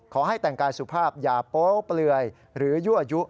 ขอให้แต่งกายสุภาพอย่าโป๊เปลือยหรือยั่วยุ